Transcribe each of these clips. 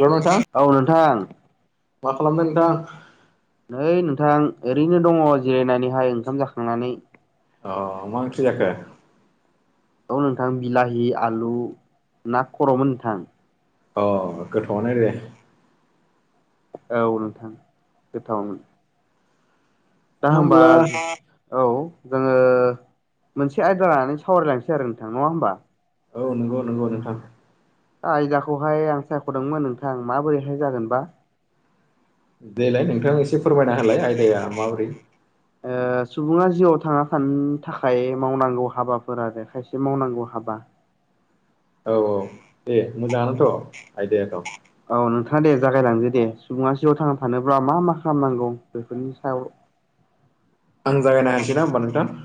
हेल' नोंथां औ नोंथां आं मा खालामदों नोंथां नै नोंथां ओरैनो दङो जिरायनानैहाय ओंखाम जाखांनानै ओ मा ओंख्रि जाखो औ नोंथां बिलाहि आलु ना खर'मोन नोंथां ओ गोथावआनो दे औ नोंथां गोथावमोन दा होनबा होमब्ला बे औ जोङो मोनसे आयदा लानानै सावरायलांनोसै आरो नोंथां नङा होनोमबा औ नंगौ नंगौ नोंथां आयदाखौहाय आं सायख'दोंमोन नोंथां माबोरैहैय जागोनबा देलाय नोंथां एसे फोरमायना होलाय आयदाया माबोरै ओ सुबुंआ जिउआव थाङा थानो थाखाय मावनांगौ हाबाफोर आरो खायसे मावनांगौ हाबा औ औ दे मोजांआनोथ' आयदायाथ' औ नोंथांआ दे जागायलांदो दे सुबुंआ जिउआव थांना थानोब्ला मा मा खालामनांगौ बेफोरनि सायाव आं जागायनो हानोसै ना होनबा नोंथां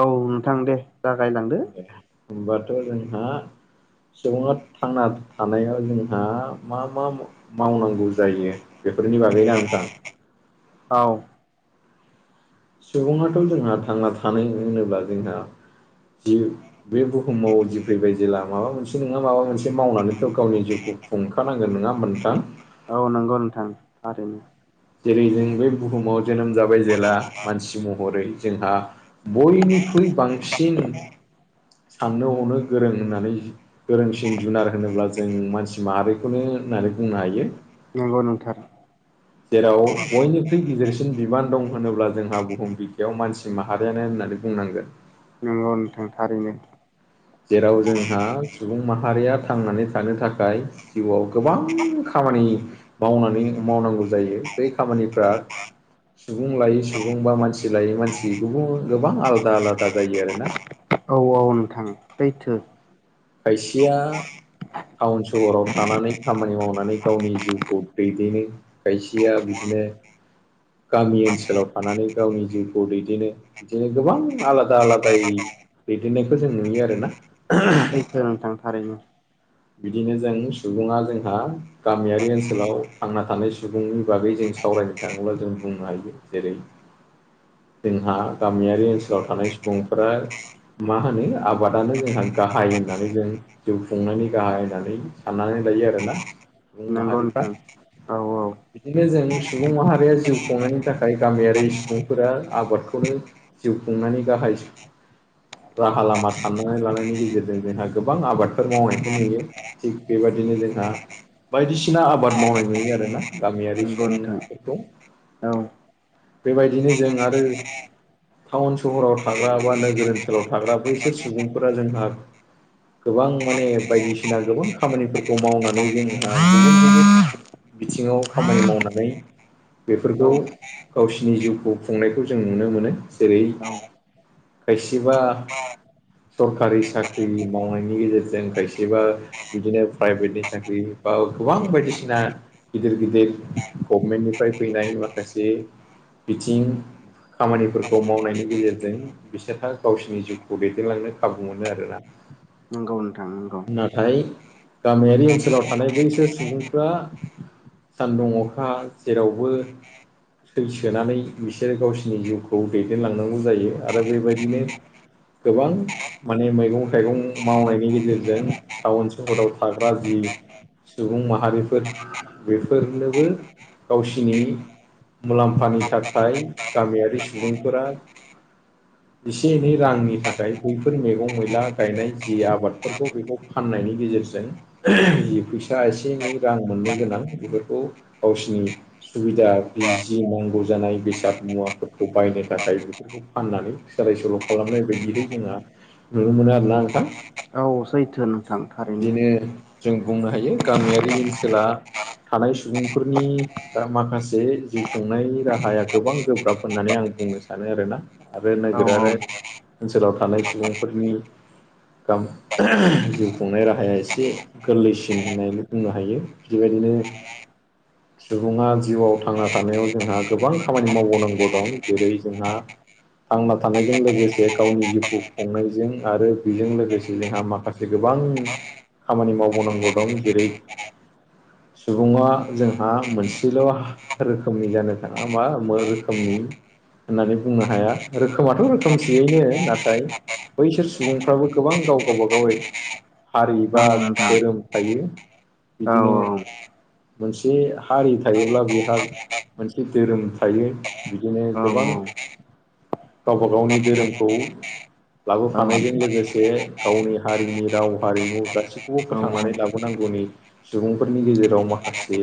औ नोंथां दे जागायलांदो दे होमबाथ' जोंहा सुबुंआ थांना थानायाव जोंहा मा मा मावनांगौ जायो बेफोरनि बागैनो आं नोंथां औ सुबुंआथ' जोंहा थांना थानायानो होनोब्ला जोंहा जि बे बुहुमाव जि फैबाय जेब्ला माबा मोनसे नङा माबा मोनसे मावनानैथ' गावनि जिउखौ हमखानांगोन नोङा होनबा नोंथां? औ नोंगौ नोंथां थारैनो। जेरै जों बे बुहुमाव जोनोम जाबाय जेला मानसि महरै जोंहा बयनिख्रुइ बांसिन साननो हनो गोरों होननानै गोरोंसिन जुनार होनोब्ला जों मानसि माहारिखौनो होननानै बुंनो हायो। नंगौ नोंथां। जेराव बयनिख्रुइ गिदिरसिन बिबान दं होनोब्ला जोंहा बुहुम बिखायाव मानसि सि माहारियानो होननानै बुंनांगोन। नोंगौ नोंथां थारैनो। जेराव जोंहा सुबुं माहारिया थांनानै थानो थाखाय जिउआव गोबां खामानि मावनानै मावनांगौ जायो बै खामानिफ्रा सुबुं लायै सुबुं बा मानसि लायै मानसि गुबुं गोबां आलदा आलादा जायो आरोना। औ औ नोंथां सैथो। खायसेया टाउन सहराव थानानै खामानि मावनानै गावनि जिउखौ दैदेनो। खायसेया बिदिनो गामि ओनसोलाव थानानै गावनि जिउखौ दैदेनो बिदिनो गोबां आलादा आलादायै दैदेननायखौ जों नुयो आरोना। सैथो नोंथां थारैनो। नंगौ बिदिनो जों सुबुङा जोंहा गामियारि ओनसोलाव थांना थानाय सुबुंनि बागै जों सावरायनो थाङोब्ला जों बुंनो हायो जेरै जोंहा गामियारि ओनसोलाव थानाय सुबुंफोरा मा होनो आबादानो जोंहा गाहाय होननानै जों जिउ खुंनायनि गाहाय होननानै साननानै लायो आरोना सुबुं नंगौ माहारिफ्रा। नोंथां औ औ बिदिनो जों सुबुं माहारिया जिउ खुंनायनि थाखाय गामियारि सुबुंफोरा आबादखौनो जिउ खुंनानै गाहाय राहा लामा साननानै लानायनि गेजेरजों जोंहा गोबां आबादफोर मावनाय खौ नुयो। थिग बेबादिनो जोंहा बायदिसिना आबाद मावनाय नुयो आरोना गामियारि नंगौ नोंथां सुबुंफोरखौ। औ बेबायदिनो जों आरो टाउन सहराव थाग्रा बा नोगोर ओनसोलाव थाग्रा बैसोर सुबुंफोरा जोंहा गोबां माने बायदिसिना गोबां खामानिफोरखौ मावनानै जोंहा गुबुन गुबुन बिथिङाव खामानि मावनानै औ बेफोरखौ गावसिनि जिउखौ खुंनायखौ जों नुनो मोनो। जेरै औ खायसिबा सरखारि साख्रि मावनायनि गेजेरजों खायस जिबा बिदिनो प्राइभेटनि साख्रि बा गोबां बायदिसिना गिदिर गिदिर गभमेन्टनिफ्राय फैनाय माखासे बिथिं खामानिफोरखौ मावनायनि गेजेरजों बिसोरहा गावसिनि जिउखौ दैदेनलांनो खाबु मोनो आरो ना। नोंगौ नोंथां उम नाथाय गामियारि ओनसोलाव थानाय बैसोर सुबुंफ्रा सानदुं अखा जेरावबो थैसोनानै बिसोरो गावसिनि जिउखौ दैदेनलांनांगौ जायो आरो बेबायदिनो गोबां माने मैगं थाइगं मावनायनि गेजेर जों टाउन सोहोराव थाग्रा जि सुबुं माहारिफोर बेफोरनोबो गावसिनि मुलाम्फानि थाखाय गामियारि सुबुंफोरा एसे एनै रांनि थाखाय बैफोर मेगं मैला गायनाय जि आबाद फोरखौ बेखौ फाननायनि गेजेरजों जि फैसा एसे एनै रां मोननो गोनां बेफोरखौ गावसिनि सुबिदा बि जि नांगौ जानाय बेसाद मुवाफोरखौ बायनो थाखाय बेखौ फाननानै सोलाय सोल' खालामनाय बायदिहै जोंहा नुनो मोनो आरोना नोंथां। औ सैथो नोंथां। थारैनो बिदिनो जों बुंनो हायो गामियारि ओनसोला थानाय सुबुंफोरनि ओ माखासे जिउ खुंनायनि राहाया गोबां गोब्राब होननानै आं बुंनो सानो आरोना। आरो औ नोगोर आरो ओनसोलाव थानाय सुबुंफोरनि गाम जिउ खुंनाय राहाया एसे गोरलैसिन होननानै बुंनो हायो बिदिबायदिनो सुबुङा जिउआव थांना थानायाव जोंहा गोबां खामानि मावबावनांगौ दं जेरै जोंहा थांना थानायजों लोगोसे गावनि जिउखौ खुंनायजों आरो बेजों लोगोसे जोंहा माखासे गोब गोबां खामानि मावबावनांगौ दं जेरै- सुबुङा जोंहा मोनसेल' रोखोमनि जानो थाङा ओमा मा रोखोमनि होननानै बुंनो हाया रोखोमाथ' रोखोमसेयैनो नाथाय। बैसोर सुबुंफ्राबो गोबां गाव गावबा गावै हारि बा औ नोंथां धोरोम थायो औ बिदिनो मोनसे हारि थायोब्ला बेहा मोनसे धोरोम थायो बिदिनो गोबां औ गावबा गावनि धोरोमखौ औ लाबोफानायजों लोगोसे गावनि हारिनि राव हारिमु गासैखौबो औ फोथांनानै लाबोनांगौनि सुबुंफोरनि गेजेराव माखासे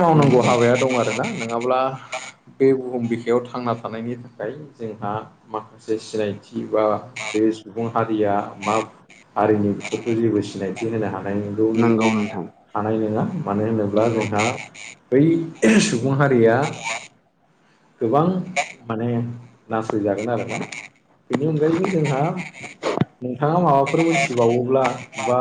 मावनांगौ नंगौ हाबाया दं आरोना नङाब्ला बे बुहुम बिखायाव थांना थानायनि थाखाय जोंहा माखासे सिनायथि बा बे सुबुं हारिया मा हारिनि बेफोरखौ जेबो सिनायथि होनो हानाय नंगौ नंगौ नोंथां। थानाय नोङा मानो होनोब्ला नंगौ जोंहा बै सुबुं हारिया। गोबां माने नासय जागोन आरोना। बेनि अनगायैबो जोंहा नोंथाङा माबाफोर मिथिबावोब्ला एबा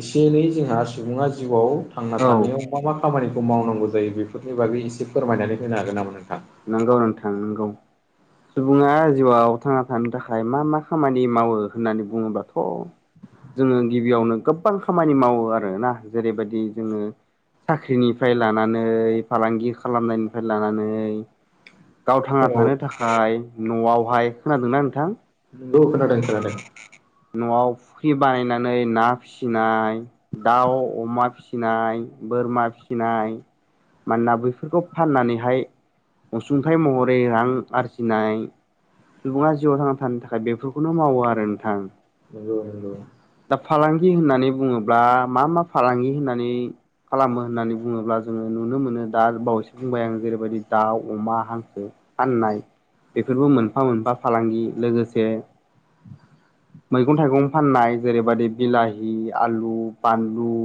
एसे एनै जोंहा सुबुङा जिउआव थांना औ थानायाव मा मा खामानिखौ मावनांगौ जायो बे फोरनि बागैसे फोरमायनानै फैनो हागोन नामा नोंथां। नंगौ नोंथां नंगौ। सुबुङा जिउआव थांना थानो थाखाय मा मा खामानि मावो होननानै बुङोबाथ' जोङो गिबियावनो गोबां खामानि मावो आरोना जेरैबायदि जोङो साख्रिनिफ्राय लानानै फालांगि खालामनायनिफ्राय लानानै गाव थांना औ थानो थाखाय न'आवहाय खोनादोंना नोंथां। नंगौ खोनादों खोनादों। न'आव फुख्रि बानायनानै ना फिसिनाय। दाउ अमा फिसिनाय बोरमा फिसिनाय, मानोना बैफोरखौ फाननानैहाय, अनसुंथाइ महरै रां आरजिनाय, सुबुङा जिउआव थांना थानो थाखाय बेफोरखौनो मावो आरो नोंथां। नंगौ नंगौ। दा फालांगि होननानै बुङोब्ला मा मा फालांगि होननानै। खालामो होननानै बुङोब्ला जोङो नुनो मोनो दा बावैसो बुंबाय आं जेरैबायदि- दाउ, अमा, हांसो, फाननाय बेफोरबो मोनफा मोनफा फालांगि लोगोसे मैगं थाइगं फाननाय जेरैबायदि बिलाहि आलु बानलु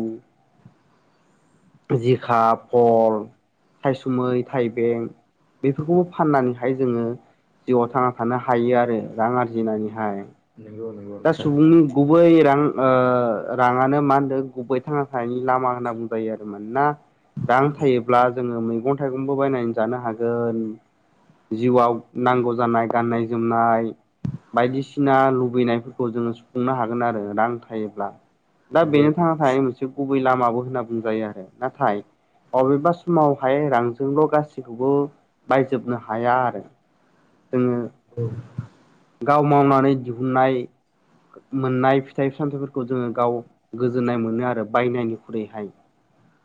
जिखा भल थाइसुमै थाइबें बेफोरखौबो फाननानैहाय जोङो जिउआव थांना थानो हायो आरो रां आरजिनानैहाय नंगौ नंगौ दा नोंथां सुबुंनि गुबै रां ओ राङानो मा होनदों गुबै थांना थानायनि लामा होनना बुंजायो आरो मानोना रां थायोब्ला जोङो मैगं थाइगंबो बायनानै जानो हागोन जिउआव नांगौ जानाय गाननाय जोमनाय बायदिसिना लुबैनाय जिउखौ जोङो सुफुंनो हागोन आरो रां थायोब्ला दा नंगौ बेनो थांना मोनसे गुबै लामाबो होनना बुंजायो आरो नाथाय अबेबा समावहाय रांजोंल' गासैखौबो बायजोबनो हाया आरो जोङो गाव मावनानै दिहुननाय मोननाय फिथाइ सामथाइफोरखौ जोङो गाव गोजोननाय मोनो आरो बायनायनिख्रुइहाय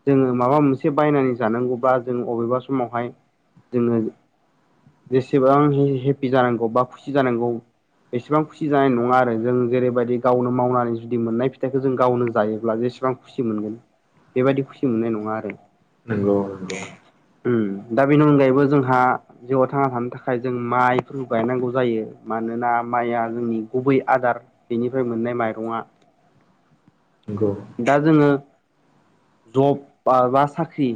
जोङो माबा मोनसे बायनानै जानांगौब्ला जों अबेबा समावहाय जोङो जेसेबां हेपि जानांगौ बा खुसि जानांगौ बेसेबां खुसि जानाय नङा आरो आरो जों जेरैबायदि गावनो मावनानै जुदि मोननाय फिथाइखौ जों गावनो जायोब्ला जेसेबां खुसि मोनगोन बेबायदि खुसि मोननाय नङा आरो नंगौ नंगौ ओम दा बेनि अनगायैबो जोंहा जिउआव थांना थानो थाखाय जों माइफोरखौ गायनांगौ जायो मानोना माइया जोंनि गुबै आदार बेनिफ्राय मोननाय माइरङा नंगौ दा जोङो जब बा साख्रि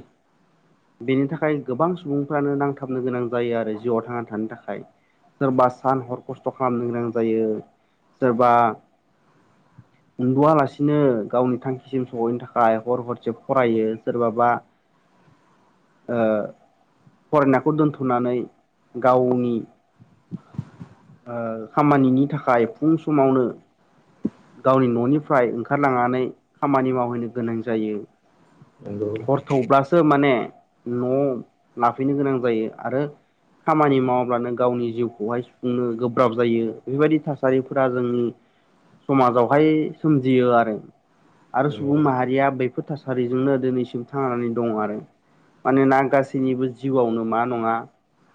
बेनि थाखाय गोबां सुबुंफ्रानो नांथाबनो गोनां जायो आरो जिउआव थांना थानो थाखाय सोरबा सान हर खस्थ' खालामनो गोनां जायो सोरबा [inaudible] उन्दुालासिनो गावनि थांखिसिम सहैनो थाखाय हर हरसे फरायो सोरबाबा ओ फरायनाखौ दोनथ'नानै गावनि ओ खामानिनि थाखाय फुं समावनो गावनि न'निफ्राय ओंखारलांनानै खामानि मावहैनो गोनां जायो नंगौ हर थौब्लासो माने न' लाफैनो गोनां जायो आरो खामानि मावाब्लानो गावनि जिउखौहाय सुफुंनो गोब्राब जायो बेफोरबायदि थासारिफोरा जोंनि समाजावहाय सोमजियो आरो आरो सुबुं नंगौ माहारिया बैफोर थासारिजोंनो दिनैसिम थांनानै दङ आरो मानोना गासैनिबो जिउआवनो मा नङा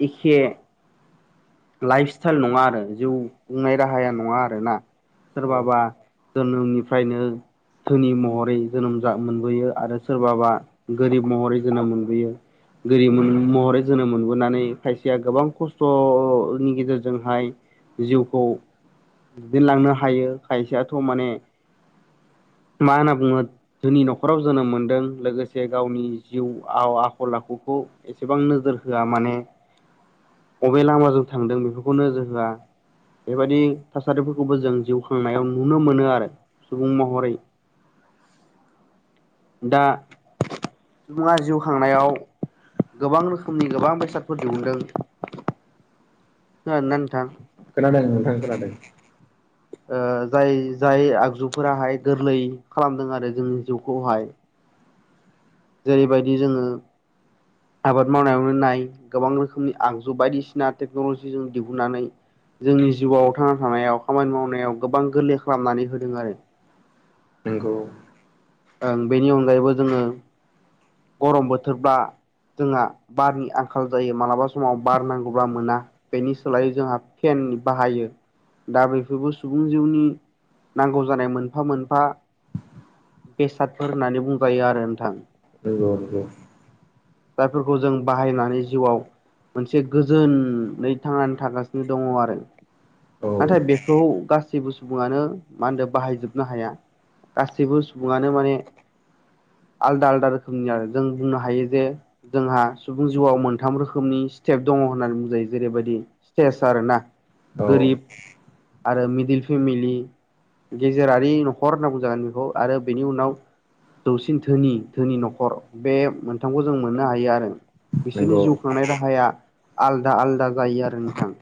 एखे लाइफ स्टाइल नङा आरो जिउ खुंनाय राहाया नङा आरोना औ सोरबाबा जोनोमनिफ्रायनो धोनि महरै जोनोम मोनबोयो आरो सोरबाबा गोरिब महरै जोनोम मोनबोयो गोरिब महरै जोनोम मोनबोनानै खायसेया गोबां खस्थ' नि गेजेरजोंहाय जिउखौ दैदेनलांनो हायो खायसेयाथ' माने मा होनना बुङो धोनि नखराव जोनोम मोनदों लोगोसे गावनि जिउ आव आखल आखुखौ एसेबां नोजोर होआ माने बबे लामाजों थांदों बेफोरखौ नोजोर होआ बेबायदि थासारिफोरखौबो जों जिउ खांनायाव नुनो मोनो आरो सुबुं महरै [inaudible] दा सुबुङा जिउ खांनायाव गोबां रोखोमनि गोबां बेसादफोर दिहुनदों खोनादों ना नोंथां खोनादों नोंथां खोनादों ओ जाय जायहाय आगजुफोराहाय गोरलै खालामदों आरो जोंनि जिउखौहाय जेरैबादि जोङो आबाद मावनायावनो नाय गोबां रोखोमनि आगजु बायदिसिना टेक्न'लजि जों दिहुननानै जोंनि जिउआव थांना थानायाव खामानि मावनायाव गोबां गोरलै खालामनानै होदों आरो नोंगौ ओं बेनि अनगायैबो जोङो गरम बोथोरबा जोंहा बारनि आंखाल जायो माब्ला समाव बार नांगौबा मोना बेनि सोलायै जोंहा पेन बाहायो दा बेफोरबो सुबुं जिउनि नांगौ जानाय मोनफा मोनफा बेसादफोर होननानै बुंबायो आरो नोंथां नोंगौ नंगौ जायफोरखौ जों बाहायनानै जिउआव मोनसे गोजोनै थांनानै थागासिनो दङै आरो औ नाथाय बेखौ गासैबो सुबुंआनो मा होनदो बाहायजोबनो हाया गासैबो सुबुंआनो माने आलदा आलदा रोखोमनि आरो जों बुंनो हायो जे जोंहा सुबुं जिउआव मोनथाम रोखोमनि स्टिथेप दङ होननानै बुंजायो जेरैबायदि स्टेेजथ आरो ना औ गोरिब आरो मिडिल फिमिलि गेजेरारि न'खर होनना बुंजागोन बेखौ आरो बेनि उनाव जौसिन धोनि धोनि न'खर बे मोनथामखौ जों मोननो हायो आरो बिसोरनि नंगौ जिउ खांनाय राहाया आलदा आलदा जायो आरो नोंथां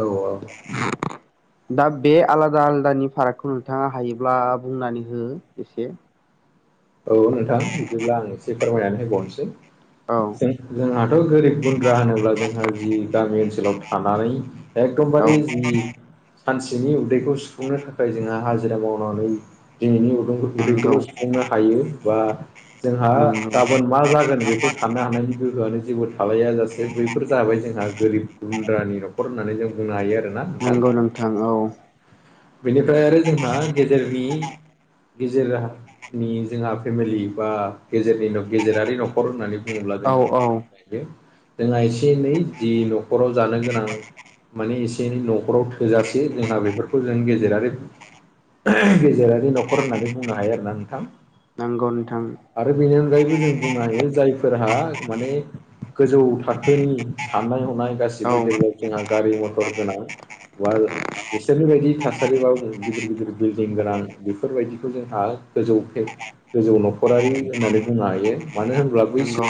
औ औ [inaudible] दा बे आलादा आलादानि फारागखौ नोंथांआ हायोब्ला बुंनानै हो एसे औ नोंथां बिदिब्ला आं एसे फोरमायनानै हबावसैे औ जों जोंहाथ' गोरिब गुन्द्रा होनोब्ला जोंहा जि गामि ओनसोलाव थानानै औ एखदमबारे जि सानसेनि उदैखौ सुफुंनो थाखाय जोंहा हाजि जिरा मावनानै दिनैनि उदै नंगौ उदैखौल' सुफुंनो हायो बाह जोंहा नंगौ गाबोन मा जागोन बेखौ साननो हानायनि गोहोआनो जेबो था माबाया जासे बैफोर जाबाय जोंहा गोरिब गुन्द्रानि न'खर होननानै जों बुंनो हायो आरो नोंगौ नोंथां औ बेनिफ्राय आरो जोंहा गेजेरनि गेजेरनि जोंहा फेमिलि बा गेजेरनि गेजेरारि नखर होननानै बुङोब्ला औ जोङो औ [unintelligible] जोंहा एसे एनै जि न' नखराव जानो गोनां माने एसे एनै न'खराव थोजासे जोंहा बेफोर खौजों गेजारि गेजेरारि ओह न'खर होननानै बुंनो हायो आरो ना नोंथां नोंगौ नोंथां आरो बेनि अनगायैबो जों बुंनो हायो जायफोरहा मानि गोजौ थाखोनि साननाय हनाय गासि औ बो डेभालाप जोंहा गारि मथर गोनां बा बेफोर बायदि थासारिबाव गिदिर गिदिर बिल्डिं गोनां बेफोरबायदिखौ जोंहा गोजौ फे गोजौ न'खरारि होननानै बुंनो हायो मानो होनब्ला बैसो नंगौ